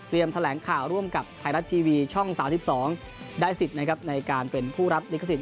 แถลงข่าวร่วมกับไทยรัฐทีวีช่อง๓๒ได้สิทธิ์นะครับในการเป็นผู้รับลิขสิทธ